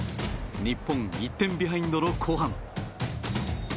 日本、１点ビハインドの後半。